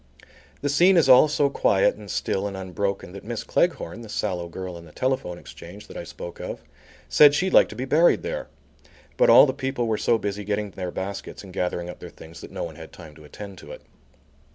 The scene is all so quiet and still and unbroken, that Miss Cleghorn, the sallow girl in the telephone exchange, that I spoke of said she'd like to be buried there. But all the people were so busy getting their baskets and gathering up their things that no one had time to attend to it.